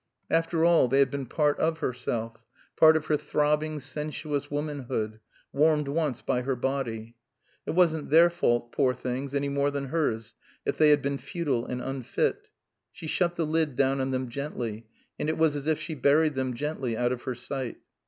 After all, they had been part of herself, part of her throbbing, sensuous womanhood, warmed once by her body. It wasn't their fault, poor things, any more than hers, if they had been futile and unfit. She shut the lid down on them gently, and it was as if she buried them gently out of her sight.